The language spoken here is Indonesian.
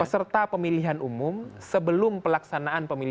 peserta pemilihan umum sebelum pelaksanaan pemilu